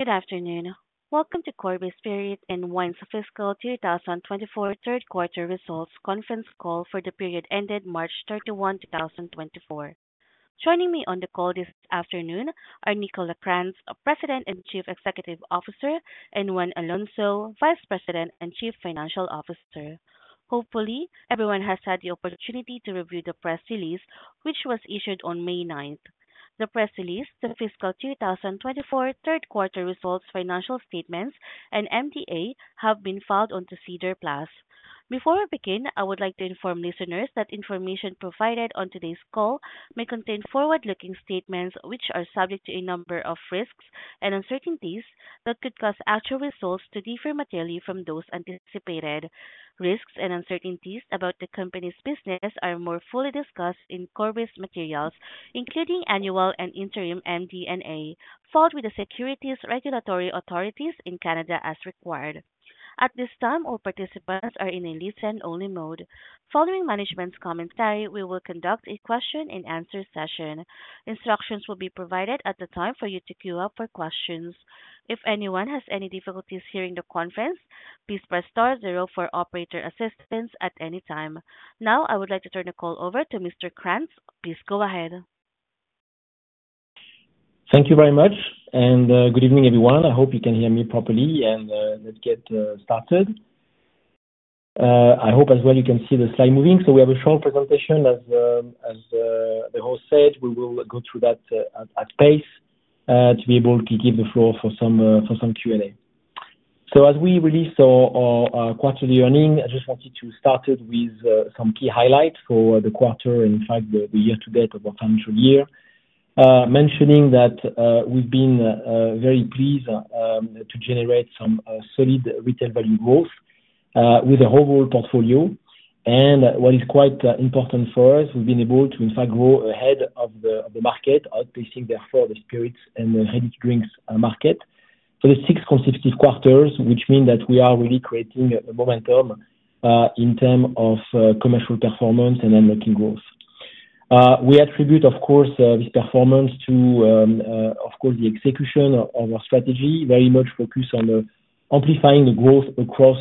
Good afternoon. Welcome to Corby Spirit and Wine's Fiscal 2024 Q3 results conference call for the period ended March 31, 2024. Joining me on the call this afternoon are Nicolas Krantz, President and Chief Executive Officer, and Juan Alonso, Vice President and Chief Financial Officer. Hopefully, everyone has had the opportunity to review the press release which was issued on May 9. The press release, the fiscal 2024 Q3 results financial statements, and MD&A have been filed onto SEDAR+. Before we begin, I would like to inform listeners that information provided on today's call may contain forward-looking statements which are subject to a number of risks and uncertainties that could cause actual results to differ materially from those anticipated. Risks and uncertainties about the company's business are more fully discussed in Corby's materials, including annual and interim MD&A, filed with the securities regulatory authorities in Canada as required. At this time, all participants are in a listen-only mode. Following management's commentary, we will conduct a question-and-answer session. Instructions will be provided at the time for you to queue up for questions. If anyone has any difficulties hearing the conference, please press star 0 for operator assistance at any time. Now, I would like to turn the call over to Mr. Krantz. Please go ahead. Thank you very much, and good evening, everyone. I hope you can hear me properly, and let's get started. I hope as well you can see the slide moving. We have a short presentation, as the host said. We will go through that at pace to be able to give the floor for some Q&A. As we released our quarterly earnings, I just wanted to start with some key highlights for the quarter and, in fact, the year-to-date of our financial year, mentioning that we've been very pleased to generate some solid retail value growth with a whole portfolio. What is quite important for us, we've been able to, in fact, grow ahead of the market, outpacing therefore the spirits and the heavy drinks market for the 6 consecutive quarters, which means that we are really creating a momentum in terms of commercial performance and then looking growth. We attribute, of course, this performance to, of course, the execution of our strategy, very much focused on amplifying the growth across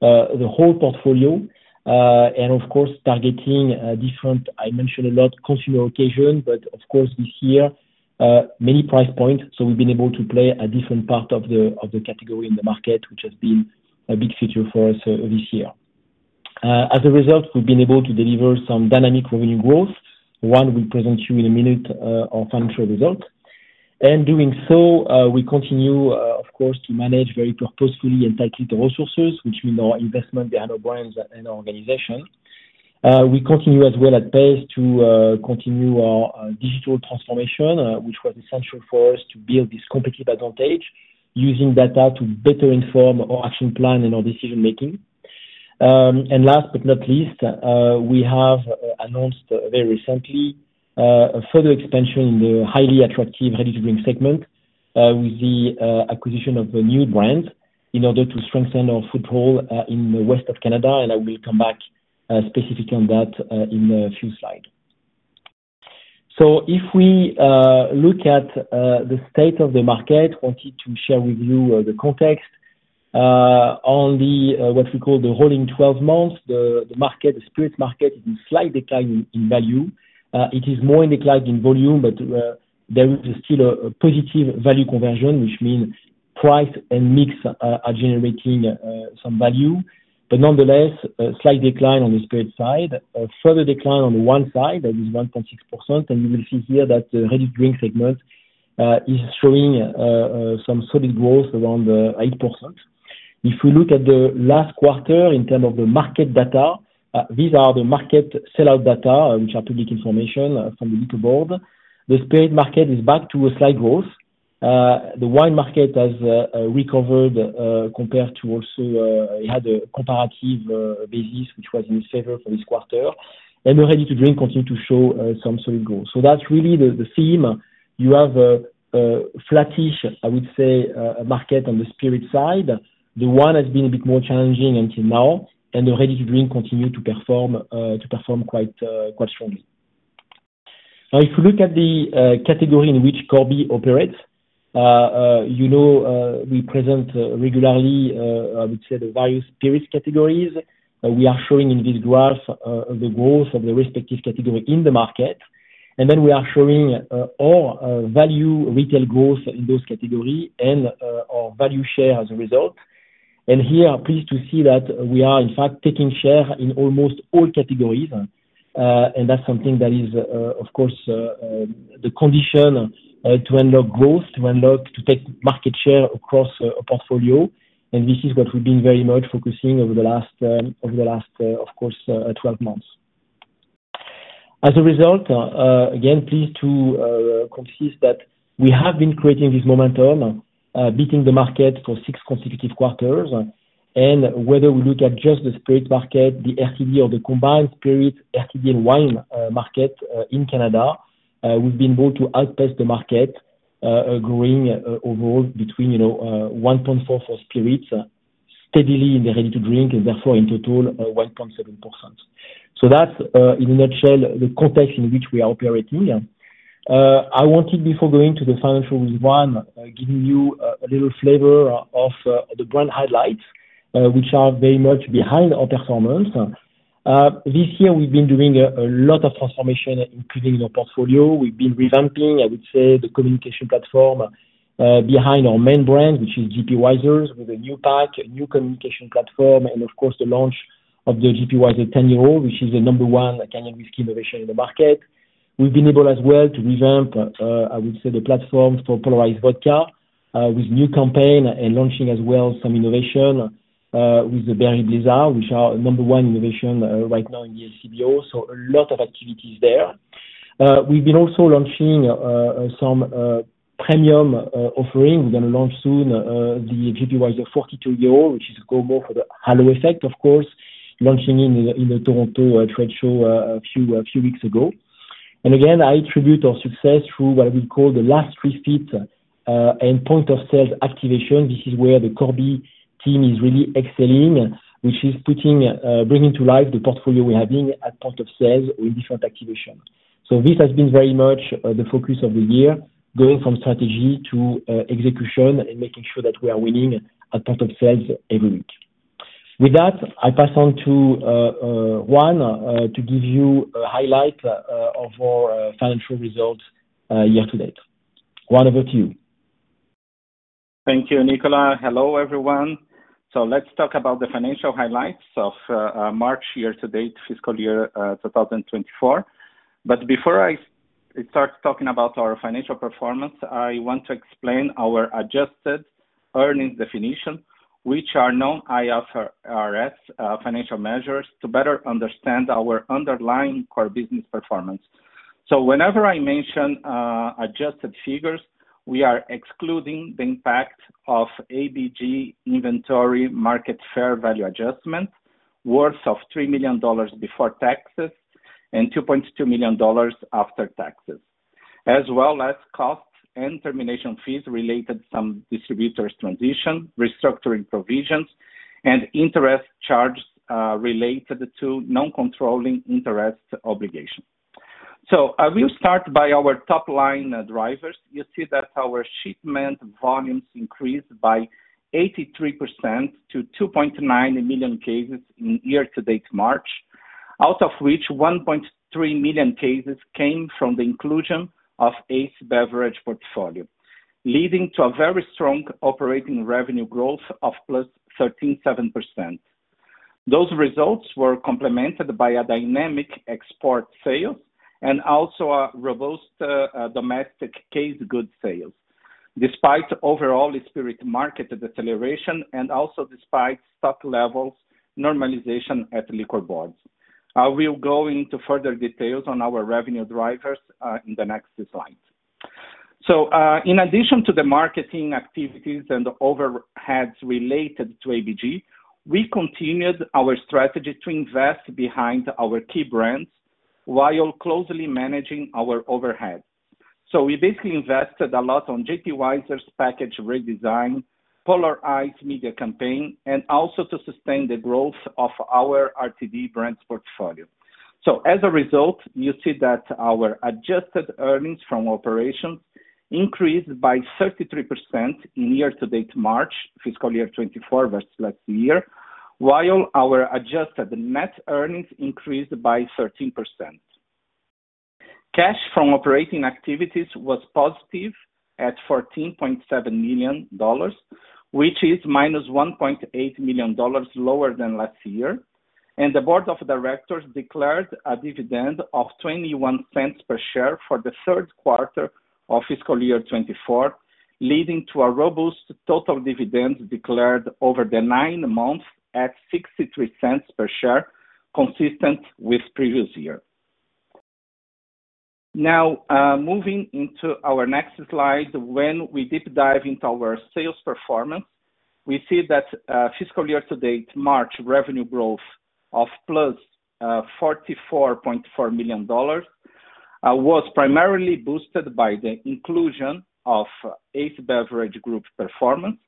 the whole portfolio and, of course, targeting different I mentioned a lot consumer occasion, but of course, this year, many price points. So we've been able to play a different part of the category in the market, which has been a big feature for us this year. As a result, we've been able to deliver some dynamic revenue growth. Juan we'll present to you in a minute of financial result. And doing so, we continue, of course, to manage very purposefully and tightly the resources, which means our investment behind our brands and our organization. We continue as well at pace to continue our digital transformation, which was essential for us to build this competitive advantage using data to better inform our action plan and our decision-making. And last but not least, we have announced very recently a further expansion in the highly attractive ready-to-drink segment with the acquisition of a new brand in order to strengthen our foothold in Western Canada. And I will come back specifically on that in a few slides. So if we look at the state of the market, wanted to share with you the context on what we call the rolling 12 months, the spirits market is in slight decline in value. It is more in decline in volume, but there is still a positive value conversion, which means price and mix are generating some value. But nonetheless, slight decline on the spirits side, further decline on the wine side. That is 1.6%. You will see here that the ready-to-drink segment is showing some solid growth around 8%. If we look at the last quarter in terms of the market data, these are the market sellout data, which are public information from the LCBO. The spirits market is back to a slight growth. The wine market has recovered compared to also it had a comparative basis, which was in its favor for this quarter. The ready-to-drink continues to show some solid growth. So that's really the theme. You have a flattish, I would say, market on the spirits side. The wine has been a bit more challenging until now, and the ready-to-drink continue to perform quite strongly. Now, if you look at the category in which Corby operates, you know we present regularly, I would say, the various spirits categories. We are showing in this graph the growth of the respective category in the market. Then we are showing our value retail growth in those categories and our value share as a result. Here, pleased to see that we are, in fact, taking share in almost all categories. That's something that is, of course, the condition to unlock growth, to take market share across a portfolio. This is what we've been very much focusing over the last, of course, 12 months. As a result, again, pleased to confirm that we have been creating this momentum, beating the market for six consecutive quarters. Whether we look at just the spirits market, the RTD, or the combined spirits, RTD, and wine market in Canada, we've been able to outpace the market growing overall between 1.4% for spirits, steadily in the ready-to-drink, and therefore in total, 1.7%. So that's, in a nutshell, the context in which we are operating. I wanted, before going to the financial reasons, giving you a little flavor of the brand highlights, which are very much behind our performance. This year, we've been doing a lot of transformation, including in our portfolio. We've been revamping, I would say, the communication platform behind our main brand, which is J.P. Wiser's, with a new pack, a new communication platform, and of course, the launch of the J.P. Wiser's 10 Year Old, which is the number one Canadian whisky innovation in the market. We've been able as well to revamp, I would say, the platform for Polar Ice Vodka with a new campaign and launching as well some innovation with the Berry Blizzard, which is the number one innovation right now in the LCBO. So a lot of activities there. We've been also launching some premium offerings. We're going to launch soon the J.P. Wiser's 42 Year Old, which is aimed more for the halo effect, of course, launching in the Toronto trade show a few weeks ago. Again, I attribute our success through what we call the last three feet and point of sales activation. This is where the Corby team is really excelling, which is bringing to life the portfolio we're having at point of sales or in different activations. So this has been very much the focus of the year, going from strategy to execution and making sure that we are winning at point of sales every week. With that, I pass on to Juan to give you a highlight of our financial results year-to-date. Juan, over to you. Thank you, Nicolas. Hello, everyone. So let's talk about the financial highlights of March year-to-date, FY 2024. But before I start talking about our financial performance, I want to explain our adjusted earnings definition, which are non-IFRS financial measures, to better understand our underlying core business performance. So whenever I mention adjusted figures, we are excluding the impact of ABG inventory market fair value adjustment worth 3 million dollars before taxes and 2.2 million dollars after taxes, as well as costs and termination fees related to some distributors' transition, restructuring provisions, and interest charges related to non-controlling interest obligations. So I will start by our top-line drivers. You see that our shipment volumes increased by 83% to 2.9 million cases in year-to-date March, out of which 1.3 million cases came from the inclusion of Ace Beverage portfolio, leading to a very strong operating revenue growth of +13.7%. Those results were complemented by dynamic export sales and also robust domestic case goods sales, despite overall spirit market deceleration and also despite stock levels normalization at liquor boards. I will go into further details on our revenue drivers in the next slide. In addition to the marketing activities and overheads related to ABG, we continued our strategy to invest behind our key brands while closely managing our overhead. We basically invested a lot on J.P. Wiser's package redesign, Polar Ice media campaign, and also to sustain the growth of our RTD brands portfolio. As a result, you see that our adjusted earnings from operations increased by 33% in year-to-date March, FY 2024 versus last year, while our adjusted net earnings increased by 13%. Cash from operating activities was positive at 14.7 million dollars, which is minus 1.8 million dollars lower than last year. The board of directors declared a dividend of 0.21 per share for the Q3 of FY 2024, leading to a robust total dividend declared over the nine months at 0.63 per share, consistent with previous year. Now, moving into our next slide, when we deep dive into our sales performance, we see that fiscal year-to-date March revenue growth of +44.4 million dollars was primarily boosted by the inclusion of Ace Beverage Group performance,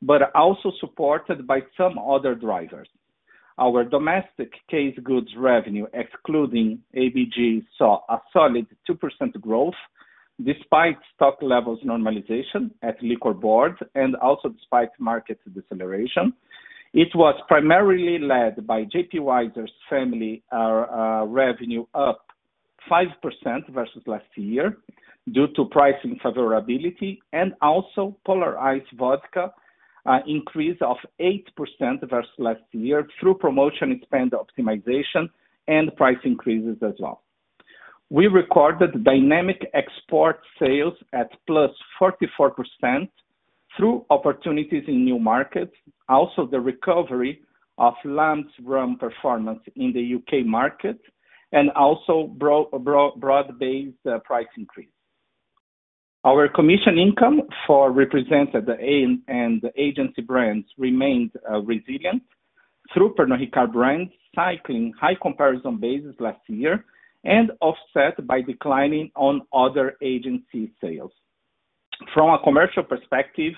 but also supported by some other drivers. Our domestic case goods revenue, excluding ABG, saw a solid 2% growth despite stock levels normalization at liquor board and also despite market deceleration. It was primarily led by J.P. Wiser's family revenue up 5% versus last year due to pricing favorability and also Polar Ice Vodka increase of 8% versus last year through promotion and spend optimization and price increases as well. We recorded dynamic export sales at +44% through opportunities in new markets, also the recovery of Lamb's Rum performance in the U.K. market, and also broad-based price increase. Our commission income for represented and agency brands remained resilient through Pernod Ricard brands cycling high comparison basis last year and offset by declining on other agency sales. From a commercial perspective,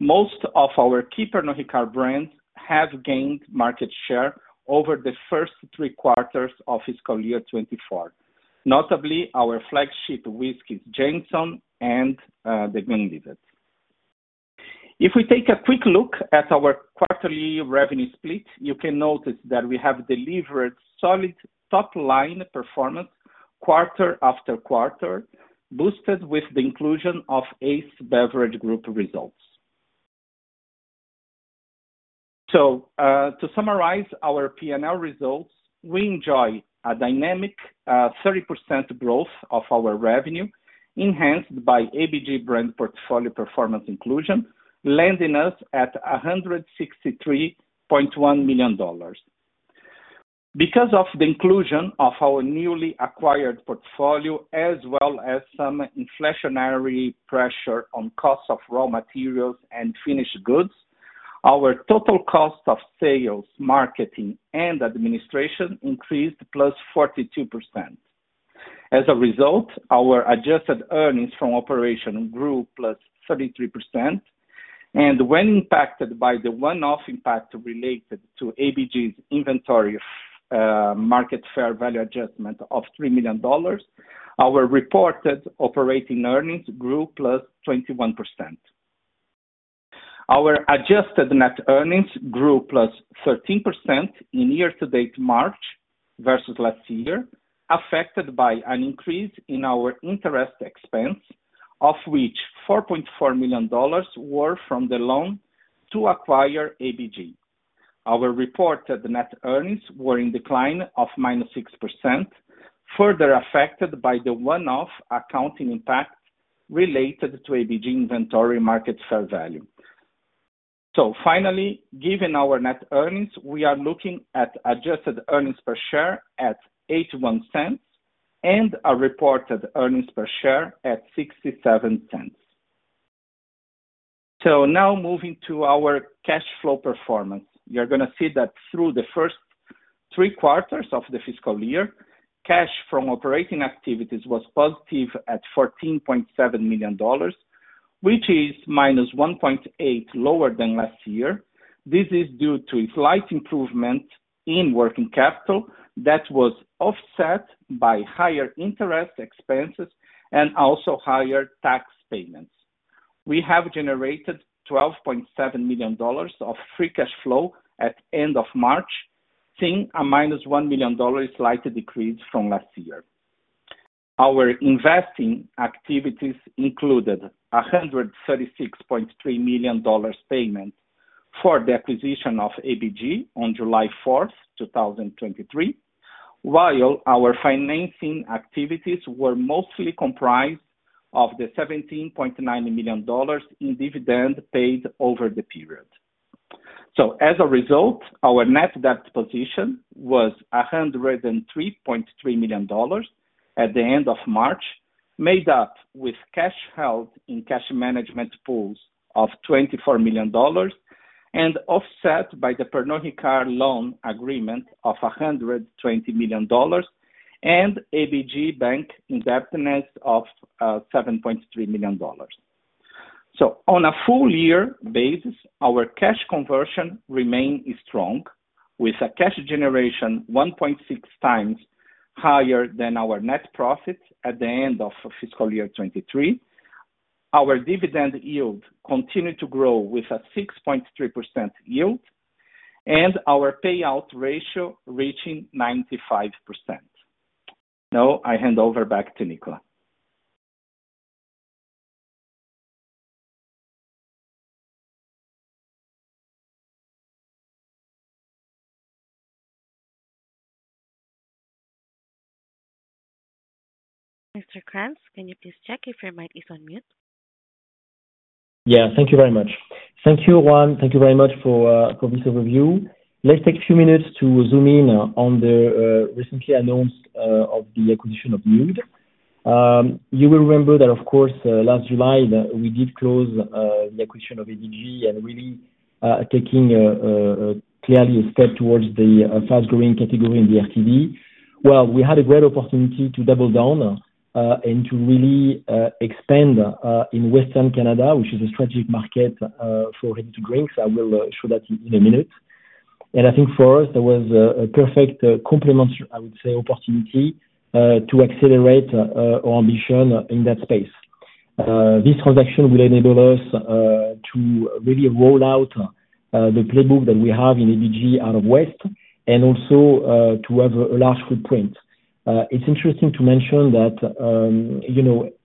most of our key Pernod Ricard brands have gained market share over the first three quarters of FY 2024, notably our flagship whiskies Jameson and The Glenlivet. If we take a quick look at our quarterly revenue split, you can notice that we have delivered solid top-line performance quarter after quarter, boosted with the inclusion of Ace Beverage Group results. So to summarize our P&L results, we enjoy a dynamic 30% growth of our revenue enhanced by ABG brand portfolio performance inclusion, landing us at 163.1 million dollars. Because of the inclusion of our newly acquired portfolio as well as some inflationary pressure on costs of raw materials and finished goods, our total cost of sales, marketing, and administration increased +42%. As a result, our adjusted earnings from operations grew +33%. And when impacted by the one-off impact related to ABG's inventory market fair value adjustment of 3 million dollars, our reported operating earnings grew +21%. Our adjusted net earnings grew +13% in year-to-date March versus last year, affected by an increase in our interest expense, of which 4.4 million dollars were from the loan to acquire ABG. Our reported net earnings were in decline of -6%, further affected by the one-off accounting impact related to ABG inventory market fair value. So finally, given our net earnings, we are looking at adjusted earnings per share at 0.81 and a reported earnings per share at 0.67. Now moving to our cash flow performance, you're going to see that through the first three quarters of the fiscal year, cash from operating activities was positive at 14.7 million dollars, which is minus 1.8 lower than last year. This is due to a slight improvement in working capital that was offset by higher interest expenses and also higher tax payments. We have generated 12.7 million dollars of free cash flow at the end of March, seeing a minus 1 million dollar slight decrease from last year. Our investing activities included a 136.3 million dollars payment for the acquisition of ABG on July 4th, 2023, while our financing activities were mostly comprised of the 17.9 million dollars in dividend paid over the period. As a result, our net debt position was 103.3 million dollars at the end of March, made up with cash held in cash management pools of 24 million dollars and offset by the Pernod Ricard loan agreement of 120 million dollars and ABG bank indebtedness of 7.3 million dollars. On a full-year basis, our cash conversion remained strong, with a cash generation 1.6 times higher than our net profit at the end of FY 2023. Our dividend yield continued to grow with a 6.3% yield and our payout ratio reaching 95%. Now, I hand over back to Nicolas. Mr. Krantz, can you please check if your mic is on mute? Yeah, thank you very much. Thank you, Juan. Thank you very much for this overview. Let's take a few minutes to zoom in on the recent announcement of the acquisition of Nude. You will remember that, of course, last July, we did close the acquisition of ABG and really taking clearly a step towards the fast-growing category in the RTD. Well, we had a great opportunity to double down and to really expand in Western Canada, which is a strategic market for ready-to-drinks. I will show that in a minute. And I think for us, there was a perfect complementary, I would say, opportunity to accelerate our ambition in that space. This transaction will enable us to really roll out the playbook that we have in ABG out West and also to have a large footprint. It's interesting to mention that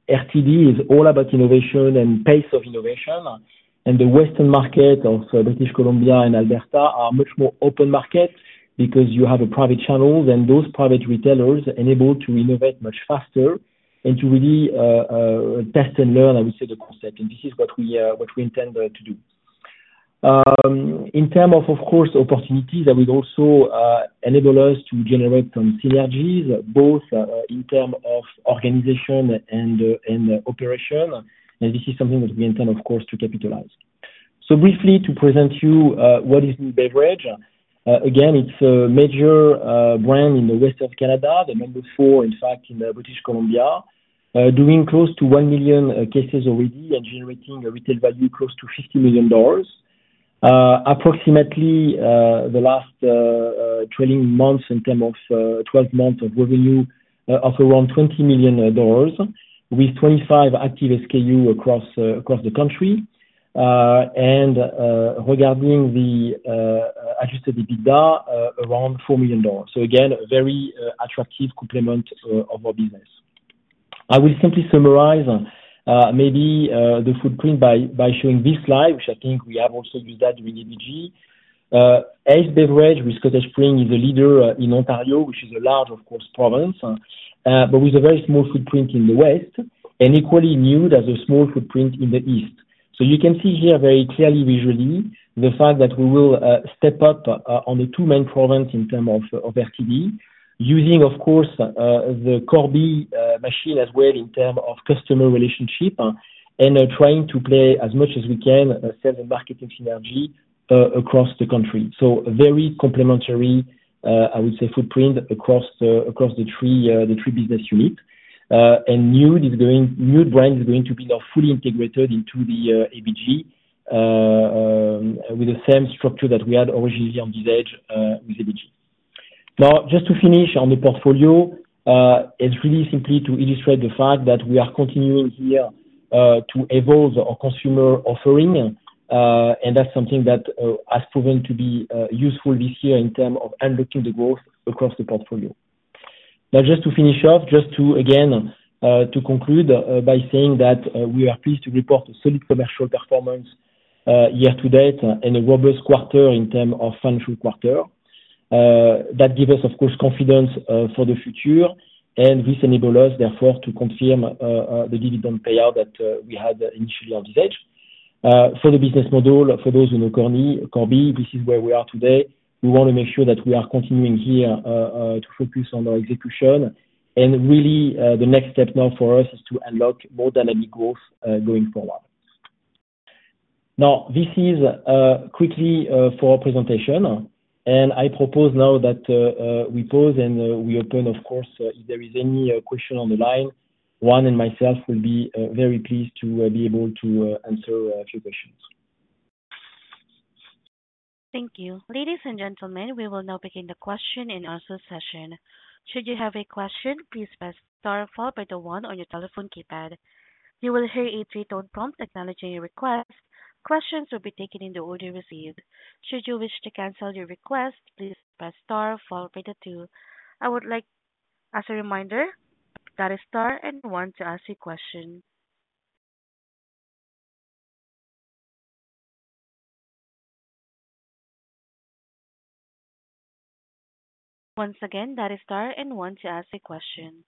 RTD is all about innovation and pace of innovation. The Western market of British Columbia and Alberta are much more open markets because you have private channels, and those private retailers are enabled to innovate much faster and to really test and learn, I would say, the concept. And this is what we intend to do. In terms of, of course, opportunities, that would also enable us to generate some synergies, both in terms of organization and operation. And this is something that we intend, of course, to capitalize. So briefly, to present you what is Nude Beverages. Again, it's a major brand in Western Canada, number 4, in fact, in British Columbia, doing close to 1 million cases already and generating a retail value close to 50 million dollars. Approximately the last trailing months in terms of 12 months of revenue of around 20 million dollars with 25 active SKUs across the country and regarding the adjusted EBITDA, around 4 million dollars. So again, a very attractive complement of our business. I will simply summarize maybe the footprint by showing this slide, which I think we have also used that during ABG. Ace Beverage with Cottage Springs is a leader in Ontario, which is a large, of course, province, but with a very small footprint in the West and equally Nude as a small footprint in the East. So you can see here very clearly, visually, the fact that we will step up on the two main provinces in terms of RTD using the Corby machine as well in terms of customer relationship and trying to play as much as we can sales and marketing synergy across the country. So a very complementary, I would say, footprint across the three business units. And Nude brand is going to be now fully integrated into the ABG with the same structure that we had originally on this acquisition with ABG. Now, just to finish on the portfolio, it's really simply to illustrate the fact that we are continuing here to evolve our consumer offering. And that's something that has proven to be useful this year in terms of unlocking the growth across the portfolio. Now, just to finish off, just again, to conclude by saying that we are pleased to report a solid commercial performance year-to-date and a robust quarter in terms of financial quarter. That gives us, of course, confidence for the future and this enables us, therefore, to confirm the dividend payout that we had initially on this acquisition. For the business model, for those who know Corby, this is where we are today. We want to make sure that we are continuing here to focus on our execution. Really, the next step now for us is to unlock more dynamic growth going forward. Now, this is quickly for our presentation. I propose now that we pause and we open, of course, if there is any question on the line. Juan and myself will be very pleased to be able to answer a few questions. Thank you. Ladies and gentlemen, we will now begin the question and answer session. Should you have a question, please press star followed by the 1 on your telephone keypad. You will hear a three-tone prompt acknowledging your request. Questions will be taken in the order received. Should you wish to cancel your request, please press star followed by the 2. I would like, as a reminder, that is star and 1 to ask your question. Once again, that is star and 1 to ask a question.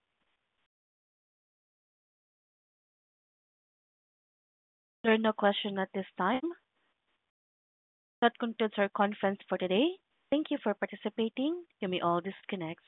There are no questions at this time. That concludes our conference for today. Thank you for participating. You may all disconnect.